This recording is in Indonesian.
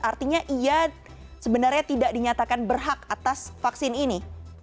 artinya ia sebenarnya tidak dinyatakan berhak atas vaksin ini